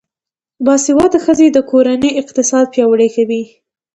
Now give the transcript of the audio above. باسواده ښځې د کورنۍ اقتصاد پیاوړی کوي.